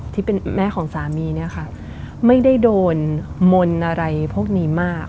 ที่เป็นแม่ของสามีเนี่ยค่ะไม่ได้โดนมนต์อะไรพวกนี้มาก